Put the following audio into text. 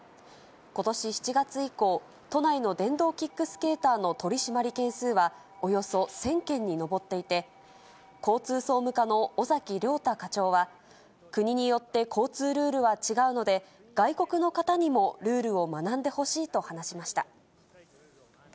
ことし７月以降、都内の電動キックスケーターの取締り件数は、およそ１０００件に上っていて、交通総務課の尾崎亮太課長は、国によって交通ルールは違うので、外国の方にもルールを学んでほしいと話しました。